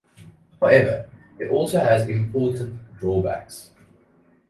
However, it also has important drawbacks.